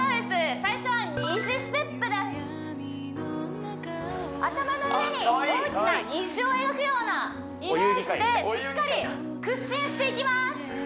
最初は虹ステップです頭の上に大きな虹を描くようなイメージでしっかり屈伸していきます